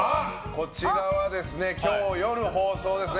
こちらは今日夜放送ですね。